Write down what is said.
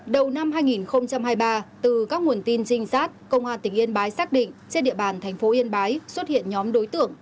đầu năm hai nghìn hai mươi ba từ các nguồn tin trinh sát công an tỉnh yên bái xác định trên địa bàn thành phố yên bái xuất hiện nhóm đối tượng